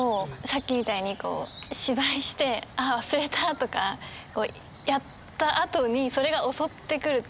さっきみたいに芝居して「あっ忘れた！」とかやったあとにそれが襲ってくるっていうか。